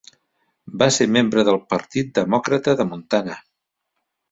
Va ser membre del Partit Demòcrata de Montana.